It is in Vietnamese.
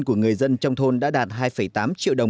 của người dân trong thôn đã đạt hai tám triệu đồng